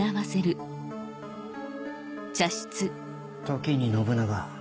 時に信長